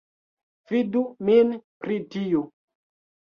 Fidu min pri tiu